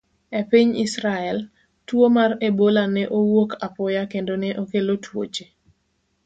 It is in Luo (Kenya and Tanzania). E piny Israel, tuwo mar Ebola ne owuok apoya kendo ne okelo tuoche.